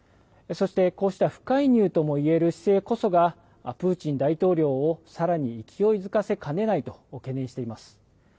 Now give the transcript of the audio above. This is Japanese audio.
そして、こうした不介入ともいえる姿勢こそが、プーチン大統領をさらに勢いづかせかねないとして懸念しています。